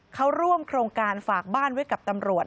เขาร่วมโครงการฝากบ้านไว้กับตำรวจ